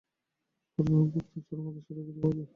পুরাণেই ভক্তির চরম আদর্শ দেখিতে পাওয়া যায়।